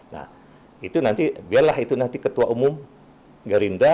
nah itu nanti biarlah itu nanti ketua umum gerindra